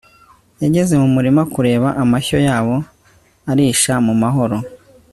yageze mu murima kureba amashyo yabo arisha mu mahoro